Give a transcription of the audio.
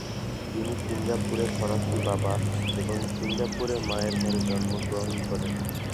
তিনি সিঙ্গাপুরে ফরাসি বাবা এবং সিঙ্গাপুরের মায়ের ঘরে জন্মগ্রহণ করেন।